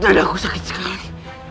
dadaku sakit sekali